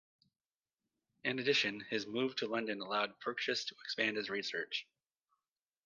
In addition, his move to London allowed Purchas to expand his research.